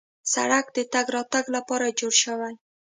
سړک د تګ راتګ لپاره جوړ شوی.